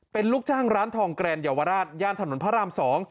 เป็นลูกจ้างร้านทองแกรนเยาวราชย่านถนนพระราม๒